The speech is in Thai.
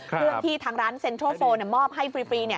เพื่อที่ทางร้านเซ็นทรัลโฟนมอบให้ฟรีเนี่ย